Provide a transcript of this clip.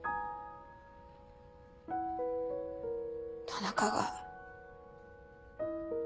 田中が。